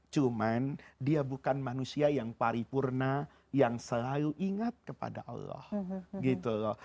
cuman dia bukan manusia yang paripurna yang selalu ingat kepada allah gitu loh